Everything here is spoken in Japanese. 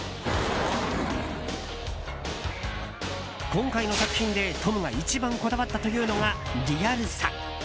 今回の作品でトムが一番こだわったというのがリアルさ。